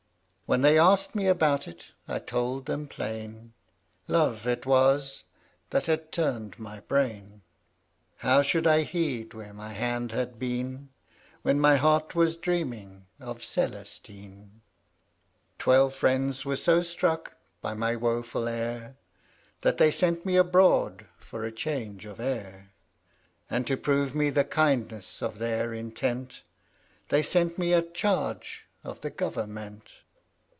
When they asked me about it, I told them plain, Love it was that had turned my brain : How should I heed where my hand had been, When my heart was dreaming of Cel estine ? Twelve friends were so struck by my woful air, That they sent me abroad for change of air : And, to prove me the kindness of their intent, They sent me at charge of the Gov ernment.